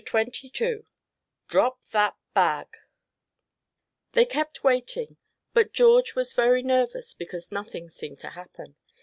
CHAPTER XXII "DROP THAT BAG" They kept waiting, but George was very nervous because nothing seemed to happen.